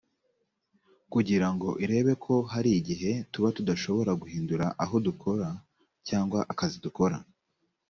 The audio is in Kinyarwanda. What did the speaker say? kugira ngo irebe ko hari igihe tuba tudashobora guhindura aho dukora cyangwa akazi dukora.